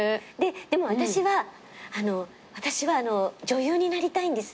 でも私は私は女優になりたいんですって。